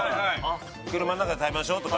車の中で食べましょうとかね